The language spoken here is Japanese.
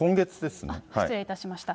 失礼いたしました。